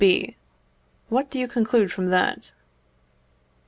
B. What do you conclude from that?